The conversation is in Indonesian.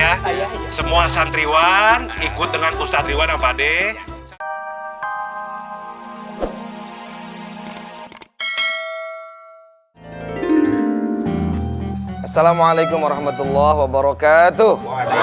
assalamualaikum warahmatullah wabarakatuh waalaikumsalam warahmatullahi wabarakatuh